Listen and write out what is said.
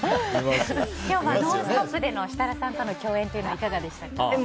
今日は「ノンストップ！」での設楽さんとの共演はいかがでしたか？